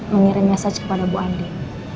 mengirim mesej kepada ibu andin